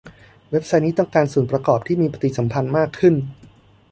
เว็บไซต์นี้ต้องการส่วนประกอบที่มีปฏิสัมพันธ์มากขึ้น